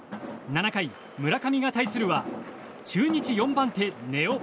７回、村上が対するは中日４番手、根尾。